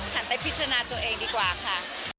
หันไปพิจารณาตัวเองดีกว่าค่ะ